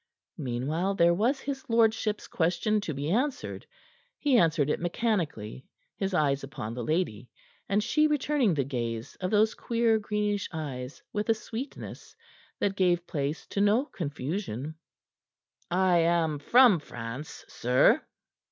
Meanwhile there was his lordship's question to be answered. He answered it mechanically, his eyes upon the lady, and she returning the gaze of those queer, greenish eyes with a sweetness that gave place to no confusion. "I am from France, sir."